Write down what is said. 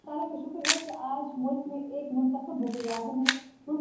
گورداسپور پر حملہ Pak Bharat cricket series خطرے میں پڑگئی